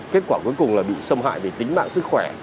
kết quả cuối cùng là bị xâm hại về tính mạng sức khỏe